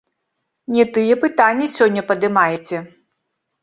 Не тыя пытанні сёння падымаеце.